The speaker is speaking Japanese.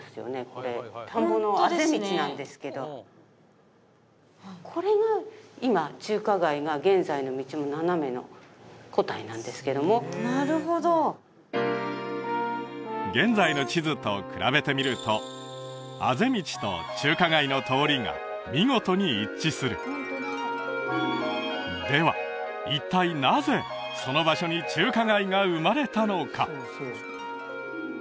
これ田んぼのあぜ道なんですけどこれが今中華街が現在の道もナナメの答えなんですけどもなるほど現在の地図と比べてみるとあぜ道と中華街の通りが見事に一致するでは一体なぜその場所に中華街が生まれたのか？